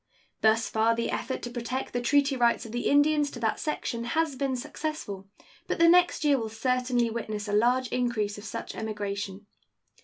Thus far the effort to protect the treaty rights of the Indians to that section has been successful, but the next year will certainly witness a large increase of such emigration.